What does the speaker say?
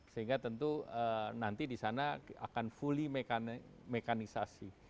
sehingga tentu nanti disana akan fully mekanisasi